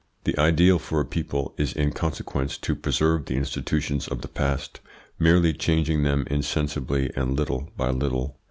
The ideal for a people is in consequence to preserve the institutions of the past, merely changing them insensibly and little by little.